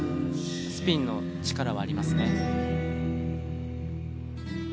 スピンの力はありますね。